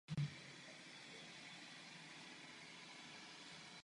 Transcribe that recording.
Slouží k poznávání zalednění dřívějších geologických epoch.